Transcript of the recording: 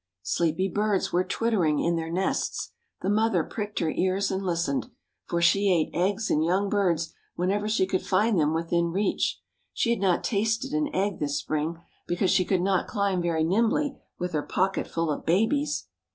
Sleepy birds were twittering in their nests. The mother pricked her ears and listened, for she ate eggs and young birds whenever she could find them within reach. She had not tasted an egg this spring, because she could not climb very nimbly with her pocket full of babies.